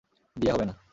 বিয়ে হবে না।